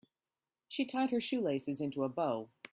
She tied her shoelaces into a bow.